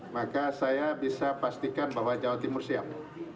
maka saya bisa pastikan bahwa jawa timur siap